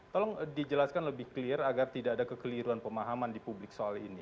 tolong dijelaskan lebih clear agar tidak ada kekeliruan pemahaman di publik soal ini